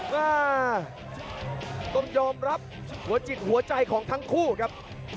อ่าต้องยอมรับหัวจิตหัวใจของทั้งคู่ครับ